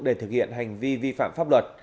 để thực hiện hành vi vi phạm pháp luật